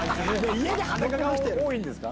家で裸が多いんですか？